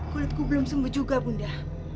kulitku belum sembuh juga bunda